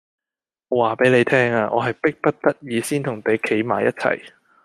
我話俾你聽啊，我係逼不得已先同你企埋一齊